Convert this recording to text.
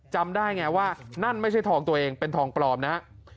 จำได้ไงว่านั่นไม่ใช่ทองตัวเองเป็นทองปลอมนะฮะ